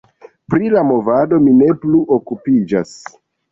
Pri la movado mi ne plu okupiĝas.